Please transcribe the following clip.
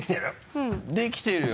できてる？